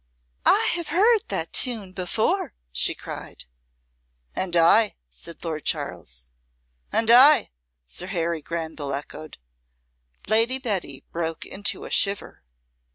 "I have heard that tune before," she cried. "And I," said Lord Charles. "And I," Sir Harry Granville echoed. Lady Betty broke into a shiver.